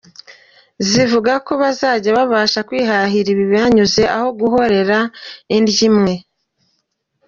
Zivuga ko bazajya babasha kwihahira ibibanyuze aho guhorera indryo imwe.